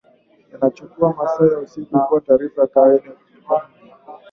Yanachukua masaa au siku kuwa taarifa ya kawaida katika miji